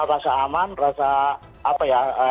rasa aman rasa apa ya karena ini kan bola itu hiburan kita bersama